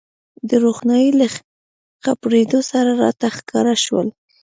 د روښنایۍ له خپرېدو سره راته ښکاره شول.